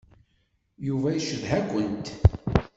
Yuba yeccedha-kent.